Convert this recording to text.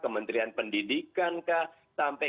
kementerian pendidikan sampai